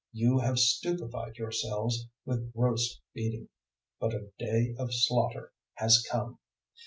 You have stupefied yourselves with gross feeding; but a day of slaughter has come.